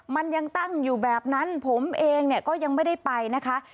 มันยังตั้งอยู่แบบนั้นผมเองเนี่ยก็ยังไม่ได้ไปนะคะ